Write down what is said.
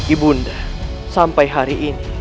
ibu anda sampai hari ini